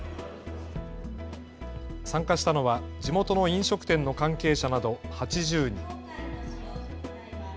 参加したのは地元の飲食店の関係者など８０人。